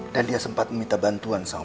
dan dia sempat meminta bantuan sama